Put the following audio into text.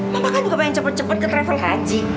mama kan juga pengen cepet cepet ke travel haji